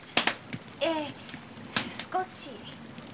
ええ少し。